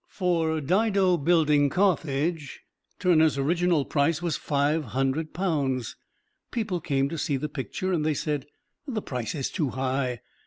For "Dido Building Carthage," Turner's original price was five hundred pounds. People came to see the picture and they said, "The price is too high."